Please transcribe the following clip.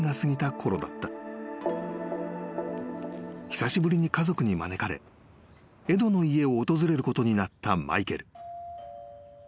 ［久しぶりに家族に招かれエドの家を訪れることになったマイケル］